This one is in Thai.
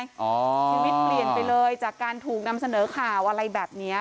ชีวิตเปลี่ยนไปเลยจากการถูกนำเสนอข่าวอะไรแบบนี้